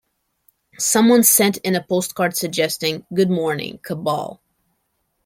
"Someone sent in a postcard suggesting, "Good morning, cabal.